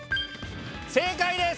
正解です！